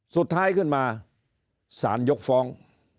สุดท้ายขึ้นมาสารยกฟ้อง